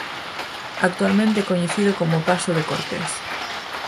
Actualmente é coñecido como o Paso de Cortés.